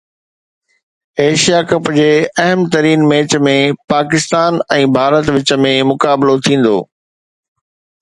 Asia cup جي اهم ترين ميچ ۾ پاڪستان ۽ ڀارت وچ ۾ مقابلو ٿيندو